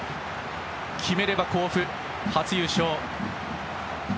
決めれば甲府、初優勝。